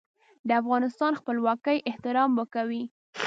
د افغانستان خپلواکۍ احترام به کوي.